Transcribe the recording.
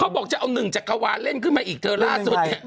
เขาบอกจะเอาหนึ่งจักรวาเล่นขึ้นมาอีกเธอล่าสุด